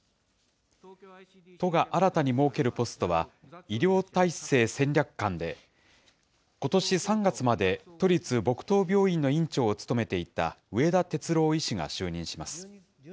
都が新たに設けるポストは、医療体制戦略監で、ことし３月まで都立墨東病院の院長を務めていた上田哲郎医師が就任します。